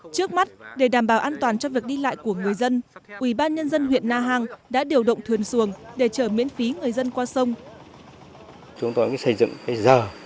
trước mắt để đảm bảo an toàn cho việc đi lại của người dân ubnd huyện na hàng đã điều động thuyền xuồng để chở miễn phí xây dựng